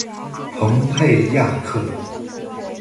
蓬佩雅克。